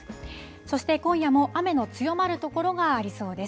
そして、今夜も雨の強まる所がありそうです。